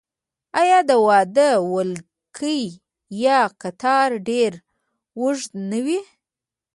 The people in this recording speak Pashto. آیا د واده ولکۍ یا قطار ډیر اوږد نه وي؟